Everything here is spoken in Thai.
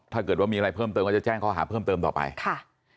ถ้าเกิดว่ามีอะไรเพิ่มเติมก็จะแจ้งข้อหาเพิ่มเติมต่อไปค่ะ